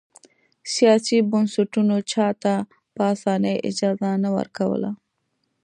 سیاسي بنسټونو چا ته په اسانۍ اجازه نه ورکوله.